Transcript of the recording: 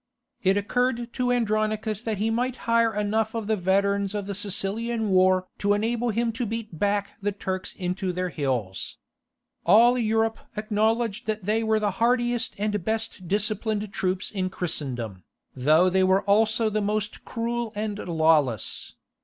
It occurred to Andronicus that he might hire enough of the veterans of the Sicilian war to enable him to beat back the Turks into their hills. All Europe acknowledged that they were the hardiest and best disciplined troops in Christendom, though they were also the most cruel and lawless.